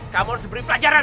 kamu harus diberi pelajaran